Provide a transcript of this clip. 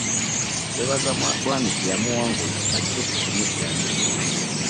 Twebaza Bwanika eyamuwangula ajje ewaffe tumujjanjabe.